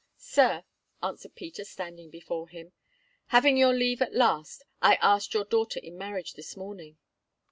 "Sir," answered Peter, standing before him, "having your leave at last, I asked your daughter in marriage this morning."